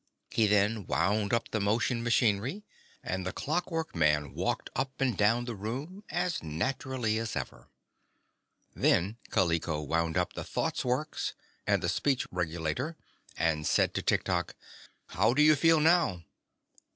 He then wound up the motion machinery, and the Clockwork Man walked up and down the room as naturally as ever. Then Kaliko wound up the thought works and the speech regulator and said to Tiktok: "How do you feel now?"